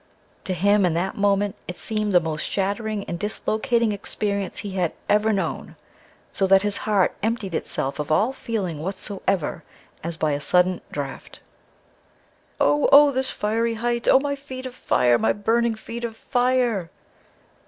To him, in that moment, it seemed the most shattering and dislocating experience he had ever known, so that his heart emptied itself of all feeling whatsoever as by a sudden draught. "Oh! oh! This fiery height! Oh, my feet of fire! My burning feet of fire